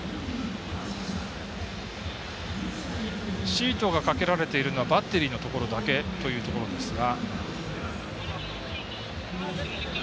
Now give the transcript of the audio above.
シートがかけられているのはバッテリーのところだけということですが。